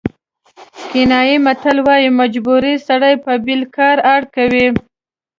کینیايي متل وایي مجبوري سړی په بېل کار اړ کوي.